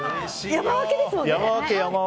山分けですもんね。